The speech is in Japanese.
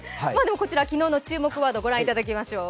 こちら、昨日の注目ワードを御覧いただきましょう。